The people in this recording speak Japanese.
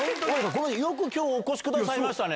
よくきょう、お越しくださいましたね。